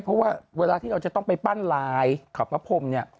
เพราะว่าเวลาที่เราจะต้องไปปั้นลายขับพระพรมเนี่ย